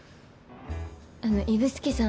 あの指宿さん。